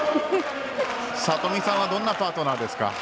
里見さんはどんなパートナーですか？